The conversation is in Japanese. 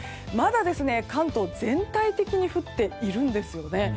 まだ、関東全体的に降っているんですね。